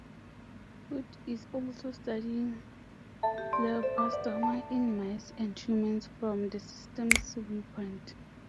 Hood is also studying glioblastoma in mice and humans from the systems viewpoint.